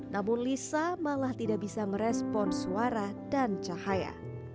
namun lisa malah tidak bisa merespon suara dan cahaya